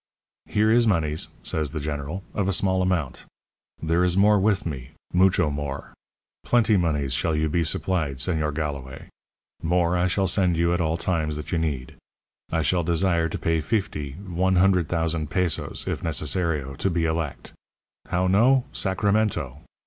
"'Here is moneys,' says the General, 'of a small amount. There is more with me moocho more. Plentee moneys shall you be supplied, Señor Galloway. More I shall send you at all times that you need. I shall desire to pay feefty one hundred thousand pesos, if necessario, to be elect. How no? Sacramento!